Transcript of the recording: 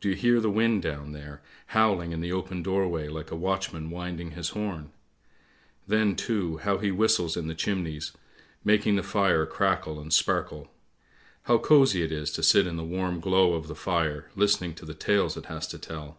Do you hear the wind down there, howling in the open doorway like a watchman winding his horn ? Then, too, how he whistles in the chimneys, making the fire crackle and sparkle. How cosy it is to sit in the warm glow of the fire listening to the tales it has to tell!